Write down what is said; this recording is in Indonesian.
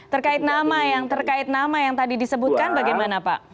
terkait nama yang tadi disebutkan bagaimana pak